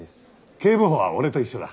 警部補は俺と一緒だ。